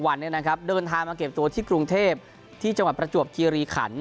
วันเดินทางมาเก็บตัวที่กรุงเทพที่จังหวัดประจวบคีรีขัน